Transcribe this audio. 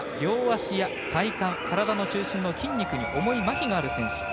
Ｓ４は両足や体幹体の中心の筋肉に重いまひがある選手